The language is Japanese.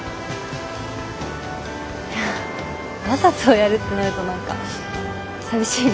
わざとやるってなると何か寂しいね。